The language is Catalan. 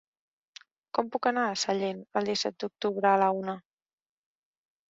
Com puc anar a Sellent el disset d'octubre a la una?